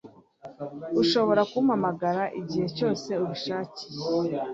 Ushobora kumpamagara igihe cyose ubishakiye.